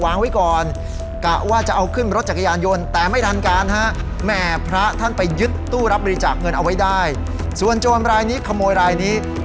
ก่อนกะว่าจะเอาขึ้นรถจักรยานยนต์แต่ไม่ทันการฮะแหม่พระท่านไปยึดตู้รับบริจาคเงินเอาไว้ได้ส่วนโจรรายนี้ขโมยรายนี้